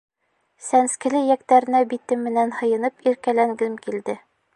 Сәнскеле эйәктәренә битем менән һыйынып иркәләнгем килде.